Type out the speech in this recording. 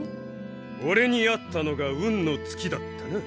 おれに会ったのが運のつきだったな。